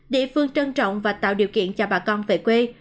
địa phương trân trọng và tạo điều kiện cho bà con về quê